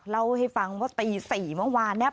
เล่าให้ฟังว่าตี๔เมื่อวานเนี่ย